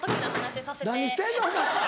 何してんのお前！